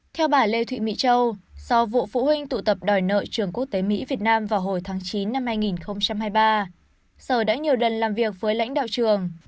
theo bà lê thị mỹ châu do vụ phụ huynh tụ tập đòi nợ trường quốc tế mỹ việt nam vào hồi tháng chín năm hai nghìn hai mươi ba sở đã nhiều lần làm việc với lãnh đạo trường